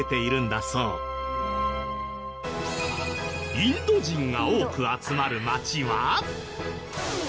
インド人が多く集まる街は。